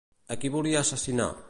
A qui volia assassinar?